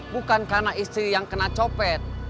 bukan karena istri yang kena copet